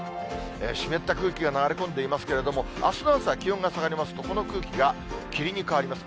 湿った空気が流れ込んでいますけれども、あすの朝、気温が下がりますと、この空気が霧に変わります。